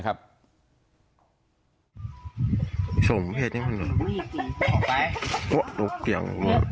มันต้องเงียบค่ะมันต้องเงียบ